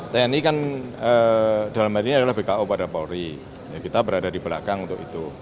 tni kan dalam hari ini adalah bko pada polri kita berada di belakang untuk itu